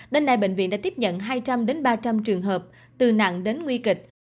đến nay bệnh viện đã tiếp nhận hai trăm linh ba trăm linh trường hợp từ nặng đến nguy kịch